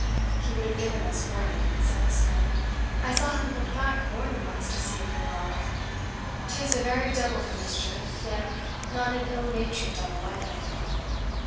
"He would have given us warning," said the smith. "I saw him look back more than once to see if we were off 'tis a very devil for mischief, yet not an ill natured devil either.